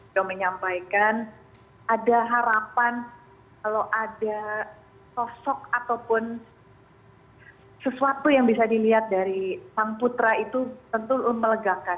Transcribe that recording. yang menyampaikan ada harapan kalau ada sosok ataupun sesuatu yang bisa dilihat dari sang putra itu tentu melegakan